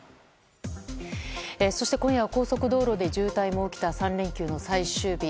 そして今夜は高速道路で渋滞も起きた３連休の最終日。